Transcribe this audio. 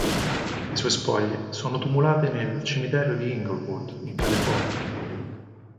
Le sue spoglie sono tumulate nel cimitero di Inglewood, in California.